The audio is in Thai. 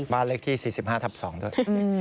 บ้านเลขที่๔๕ทับ๒ด้วย